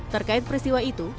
terkait peristiwa itu